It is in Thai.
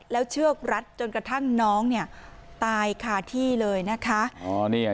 แล้วเชือกรัดจนกระทั่งน้องเนี่ยตายคาที่เลยนะคะ